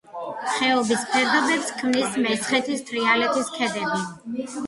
ხეობის ფერდობებს ქმნის მესხეთისა და თრიალეთის ქედები.